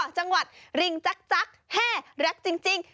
จังหวัดริงจักรแห้รักจริง